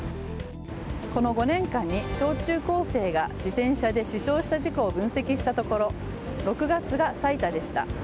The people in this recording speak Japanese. この５年間に小中高生が自転車で死傷した事故を分析したところ６月が最多でした。